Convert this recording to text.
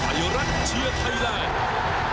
โปรดติดตามตอนต่อไป